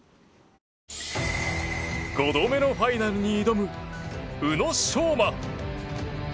５度目のファイナルに挑む宇野昌磨。